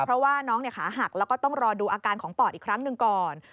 เพราะว่าน้องขาหักแล้วก็ต้องรอดูอาการของปอดอีกครั้งหนึ่งก่อน